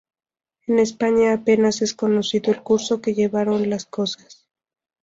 En España apenas es conocido el curso que llevaron las cosas.